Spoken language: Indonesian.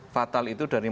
fatal itu dari empat belas